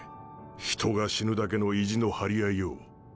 人が死ぬだけの意地の張り合いよ。